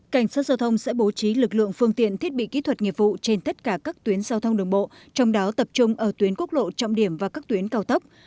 cảnh sát giao thông sẽ bố trí lực lượng phương tiện thiết bị kỹ thuật nghiệp vụ trên tất cả các tuyến giao thông đường bộ trong đó tập trung ở tuyến quốc lộ trọng điểm và các tuyến cao tốc